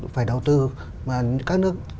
phải đầu tư mà các nước